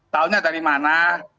tahunya dari mana